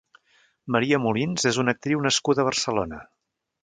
Maria Molins és una actriu nascuda a Barcelona.